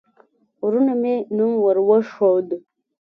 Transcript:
وروسته مې نوم ور وښود.